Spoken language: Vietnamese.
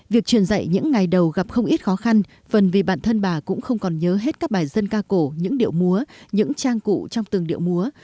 việc truyền dạy những ngày đầu gặp không ít khó khăn phần vì bản thân bà cũng không còn nhớ hết các bài dân ca cổ những điệu múa những trang cụ trong từng điệu múa